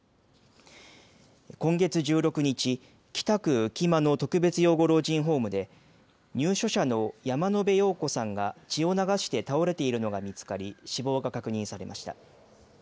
今月１６日北区浮間の特別養護老人ホームで入所者の山野邉陽子さんが血を流して倒れているのが見つかり死亡が確認されました。